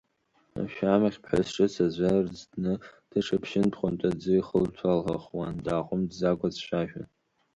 Ашәамахь ԥҳәыс ҿыц ацәа ырӡҭны даҽа ԥшьынтә-хәынтә аӡы ихылҭәалахуан, дааҟәымҵӡакәа дцәажәон.